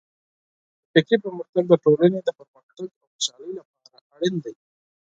د فکري پرمختګ د ټولنې د پرمختګ او خوشحالۍ لپاره اړین دی.